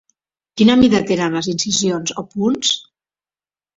Quina mida tenen les incisions o punts?